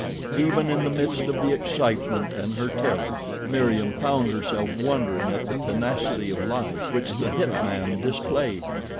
Even in the midst of the excitement and her terror Meriem found herself wondering at the tenacity of life which the hit man displayed.